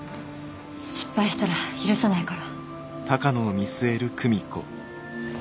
失敗したら許さないから。